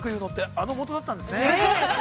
あのことだったんですね。